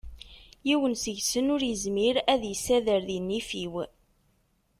Yiwen seg-sen ur yezmir ad yesader deg nnif-iw.